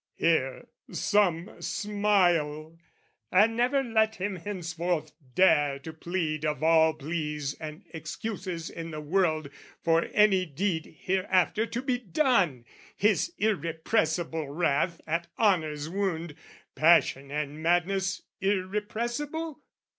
Here some smile "And never let him henceforth dare to plead, "Of all pleas and excuses in the world "For any deed hereafter to be done, "His irrepressible wrath at honour's wound! "Passion and madness irrepressible?